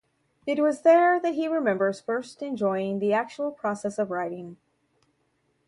It was there that he remembers first enjoying the actual process of writing.